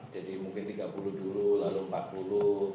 jadi mungkin tiga puluh dulu lalu empat puluh